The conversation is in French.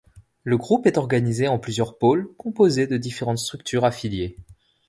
Le groupe est organisé en plusieurs pôles composés de différentes structures affiliées.